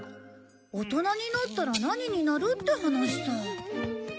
大人になったら何になるって話さ。